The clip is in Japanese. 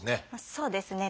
そうですね。